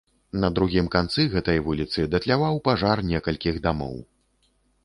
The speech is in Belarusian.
На другім канцы гэтай вуліцы датляваў пажар некалькіх дамоў.